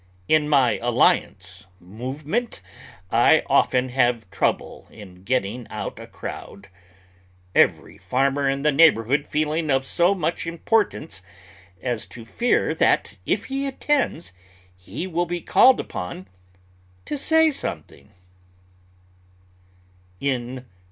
In my Alliance movement I often have trouble in getting out a crowd, every farmer in the neighborhood feeling of so much importance as to fear that if he attends he will be called upon to say something.